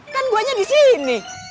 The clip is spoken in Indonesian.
kan gua nya disini